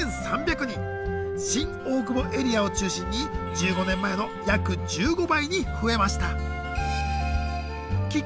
新大久保エリアを中心に１５年前の約１５倍に増えました。